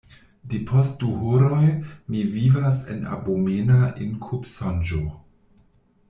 Depost du horoj mi vivas en abomena inkubsonĝo.